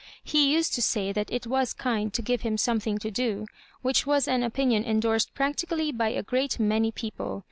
He used to say that it was kind to give him something to do, which was an opinion endorsed practically by a great many people.